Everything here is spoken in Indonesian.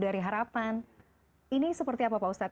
dari harapan ini seperti apa pak ustadz